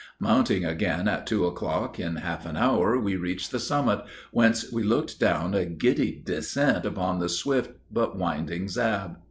Mounting again at two o'clock, in half an hour we reached the summit, whence we looked down a giddy descent upon the swift but winding Zab.